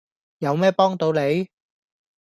有咩幫到你?